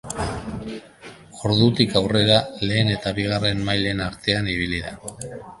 Ordutik aurrera lehen eta bigarren mailen artean ibili da.